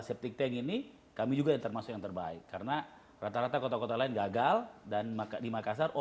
septic tank ini kami juga termasuk yang terbaik karena rata rata kota kota lain gagal dan maka di makassar